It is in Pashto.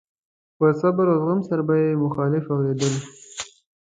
په صبر او زغم سره به يې مخالف اورېدلو.